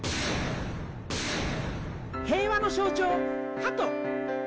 平和の象徴、ハト。